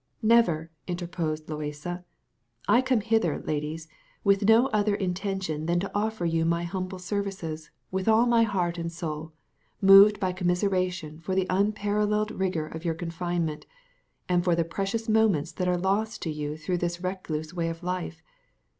"Never!" interposed Loaysa. "I came hither, ladies, with no other intention than to offer you my humble services, with all my heart and soul, moved by commiseration for the unparalleled rigour of your confinement, and for the precious moments that are lost to you through this recluse way of life.